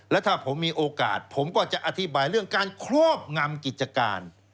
แล้วถ้าผมมีโอกาสผมก็จะอธิบายเรื่องการครอบงำกิจการ